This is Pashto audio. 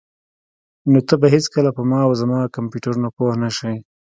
نو ته به هیڅکله په ما او زما کمپیوټرونو پوه نشې